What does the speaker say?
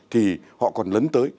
thì họ còn lấn tới